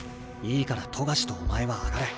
いいから冨樫とお前は上がれ。